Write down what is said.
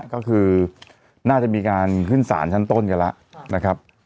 ก็คือน่าจะมีการขึ้นสารชั้นต้นกันแล้วนะครับ